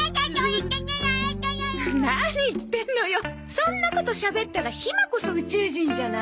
そんなことしゃべったらひまこそ宇宙人じゃない。